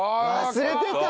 「忘れてた」。